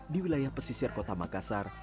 di wilayah pesisir kota makassar